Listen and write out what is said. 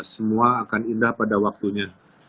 semua akan indah pada waktunya